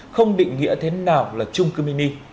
không định nghĩa thế nào là chung cư mini